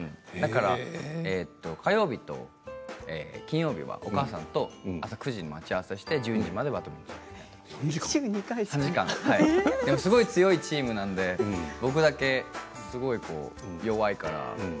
火曜日と金曜日はお母さんと朝９時に待ち合わせして、１２時までバドミントン、３時間すごく強いチームなので僕だけ弱いから。